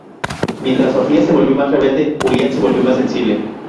Mientras Sofía se volvió más rebelde, Julian se volvió más sensible.